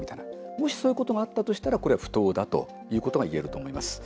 もし、そういうことがあったとしたらこれは不当だということがいえると思います。